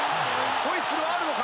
ホイッスルはあるのか？